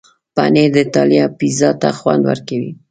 پنېر د ایټالیا پیزا ته خوند ورکوي.